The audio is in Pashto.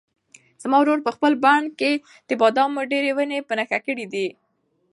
زما ورور په خپل بڼ کې د بادامو ډېرې ونې په نښه کړې دي.